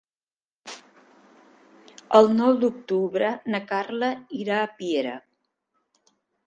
El nou d'octubre na Carla irà a Piera.